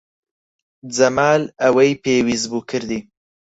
جەمال ئەوەی پێویست بوو کردی.